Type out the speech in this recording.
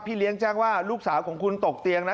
เลี้ยงแจ้งว่าลูกสาวของคุณตกเตียงนะ